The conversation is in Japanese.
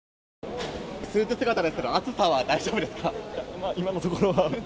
スーツ姿ですけど、暑さは大丈夫ですか？